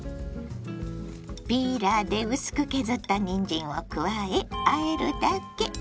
ピーラーで薄く削ったにんじんを加えあえるだけ。